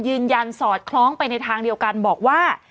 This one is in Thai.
ยืนยันสอดคล้องในทางเดียวกันบอกว่า